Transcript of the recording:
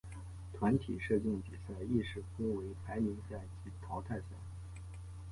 团体射箭比赛亦是分为排名赛及淘汰赛。